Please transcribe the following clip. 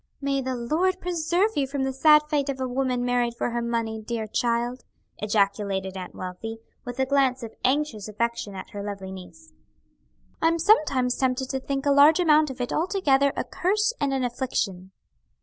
"May the Lord preserve you from the sad fate of a woman married for her money, dear child!" ejaculated Aunt Wealthy, with a glance of anxious affection at her lovely niece. "I'm sometimes tempted to think a large amount of it altogether a curse and an affliction."